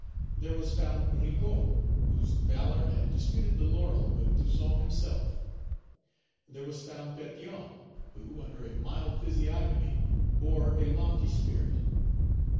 There was found Rigaud, whose valor had disputed the laurel with Toussaint himself. There was found Pétion, who, under a mild physiognomy, bore a lofty spirit.